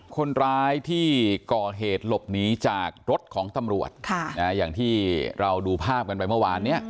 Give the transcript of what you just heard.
คนร้ายที่ก่อเหตุหลบหนีจากรถของตำรวจอย่างที่เราดูภาพกันไปเมื่อวานเนี่ย